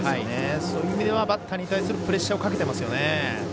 そういう意味ではバッターに対するプレッシャーをかけてますよね。